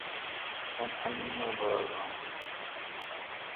اُن انّا با گ آں